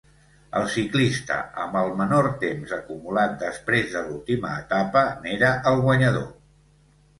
El ciclista amb el menor temps acumulat després de l'última etapa n'era el guanyador.